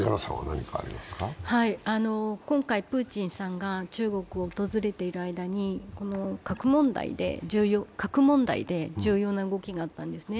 今回、プーチンさんが中国を訪れている間に、核問題で重要な動きがあったんですね。